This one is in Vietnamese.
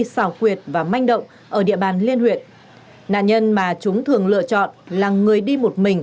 xảo quyệt và manh động ở địa bàn liên huyện nạn nhân mà chúng thường lựa chọn là người đi một mình